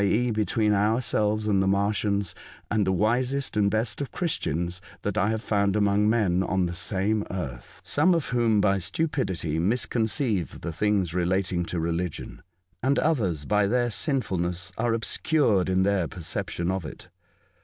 e., between ourselves and the Martians and the wisest and best of Christians, than I have found among men on the same earth; some of whom by stupidity misconceive the things relating to religion, and 138 A Voyage to Other Worlds. others by tlieir sinfulness are obscured in their perception of it.